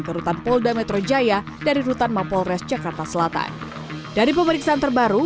kerutan polda metro jaya dari rutan mapol res jakarta selatan dari pemeriksaan terbaru